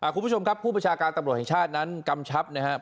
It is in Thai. คุณผู้ชมครับผู้ประชาการตำรวจแห่งชาตินั้นกำชับนะครับ